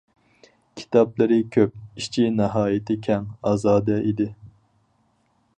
كىتابلىرى كۆپ، ئىچى ناھايىتى كەڭ، ئازادە ئىدى.